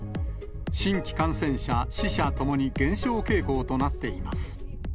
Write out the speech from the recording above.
新規感染者、死者ともに減少傾向となっています。